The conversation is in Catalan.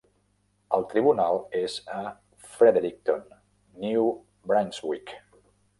El tribunal és a Fredericton, New Brunswick.